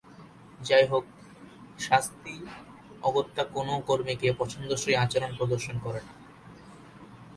যাইহোক, শাস্তি অগত্যা কোনও কর্মীকে পছন্দসই আচরণ প্রদর্শন করে না।